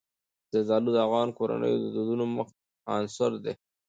زردالو د افغان کورنیو د دودونو مهم عنصر دی.